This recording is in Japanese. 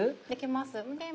できます。